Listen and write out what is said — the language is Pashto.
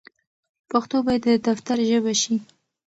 پښتو بايد د دفتر ژبه شي.